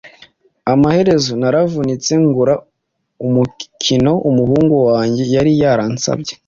Amaherezo naravunitse ngura umukino umuhungu wanjye yari yaransabye